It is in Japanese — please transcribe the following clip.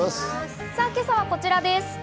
今朝はこちらです。